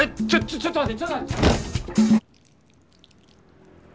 ちょっと待って！